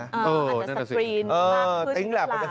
อ่าอาจจะสกรีนข้างเพื่อสินตลาด